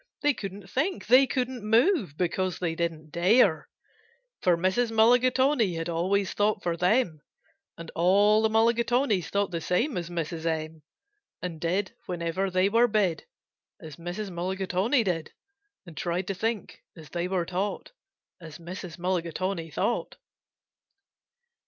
They couldn't think, they couldn't move, because they didn't dare; For Mrs. Mulligatawny had always thought for them, And all the Mulligatawnys thought the same as Mrs. M., And did, whenever they were bid, As Mrs. Mulligatawny did, And tried to think, as they were taught, As Mrs. Mulligatawny thought.